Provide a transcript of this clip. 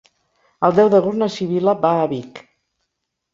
El deu d'agost na Sibil·la va a Vic.